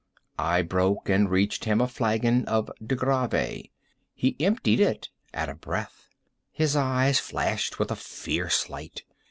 I broke and reached him a flagon of De Grâve. He emptied it at a breath. His eyes flashed with a fierce light.